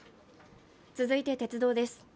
続いて鉄道です。